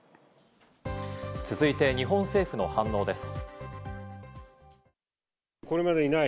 続いて、日本政府の反応です。